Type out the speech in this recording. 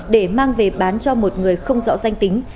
để mang về bán cho một người không rõ danh tính